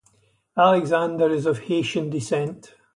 Alexander is of Haitian descent.